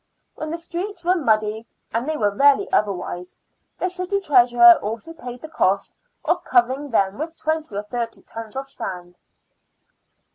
When the streets were muddy, and they were rarely otherwise, the city treasurer also paid the cost of covering them with twenty or thirty tons of sand.